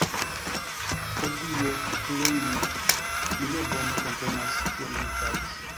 Pro Dio, Breine, mi ne bone komprenas, kion mi faris.